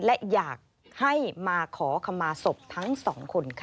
และอยากให้มาขอขมาศพทั้งสองคนค่ะ